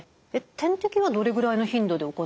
点滴はどれぐらいの頻度で行うんですか？